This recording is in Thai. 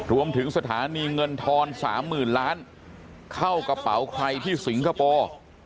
รวมถึงสถานีเงินทอน๓๐๐๐ล้านเข้ากระเป๋าใครที่สิงคโปร์